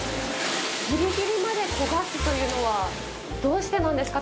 ギリギリまで焦がすというのはどうしてなんですか？